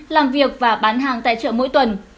làm việc và bán hàng tại chợ mỗi tuần